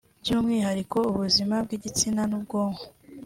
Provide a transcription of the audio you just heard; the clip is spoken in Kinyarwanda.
by’umwihariko ubuzima bw’igitsina n’ubwonko